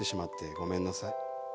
ごめんなさい。